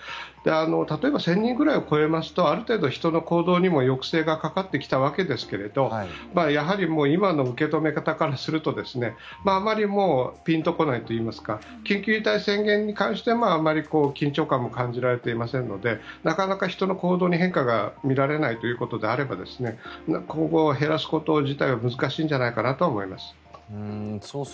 例えば１０００人ぐらいを超えますとある程度人の行動にも抑制がかかってきたわけですがやはり今の受け止め方からするとあまりもうピンと来ないといいますか緊急事態宣言に関してはあまり緊張感も感じられていませんのでなかなか人の行動に変化が見られないということであれば今後、減らすこと自体は難しいんじゃないかなと思います。